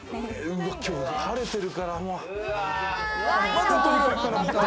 今日は晴れてるからもう。